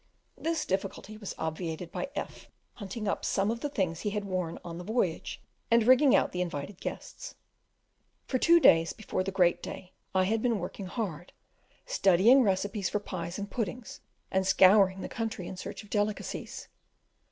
This difficulty was obviated by F hunting up some of the things he had worn on the voyage, and rigging out the invited guests. For two days before the great day I had been working hard, studying recipes for pies and puddings, and scouring the country in search of delicacies.